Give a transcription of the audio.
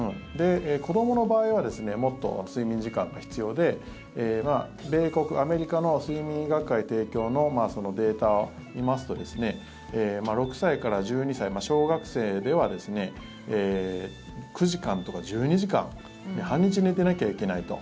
子どもの場合はもっと睡眠時間が必要でアメリカの睡眠医学会提供のデータを見ますと６歳から１２歳、小学生では９時間とか１２時間半日寝てなきゃいけないと。